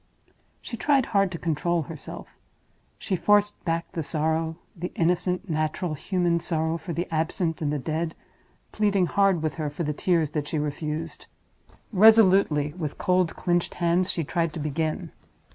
She tried hard to control herself; she forced back the sorrow—the innocent, natural, human sorrow for the absent and the dead—pleading hard with her for the tears that she refused. Resolutely, with cold, clinched hands, she tried to begin.